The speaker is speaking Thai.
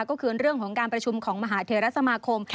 ก็คือเรื่องของการประชุมของมหาเทรสมาคม